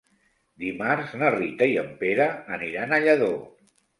Dimarts na Rita i en Pere aniran a Lladó.